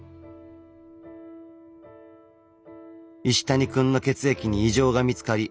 石谷くんの血液に異常が見つかり入院。